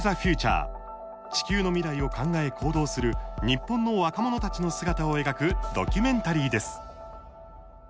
地球の未来を考え行動する日本の若者たちの姿を描くドキュメンタリーです。